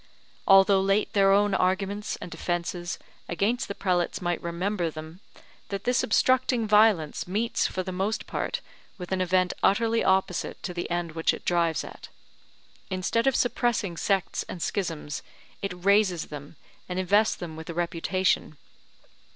Although their own late arguments and defences against the prelates might remember them, that this obstructing violence meets for the most part with an event utterly opposite to the end which it drives at: instead of suppressing sects and schisms, it raises them and invests them with a reputation.